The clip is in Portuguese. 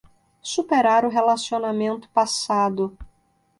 Superar o relacionamento passado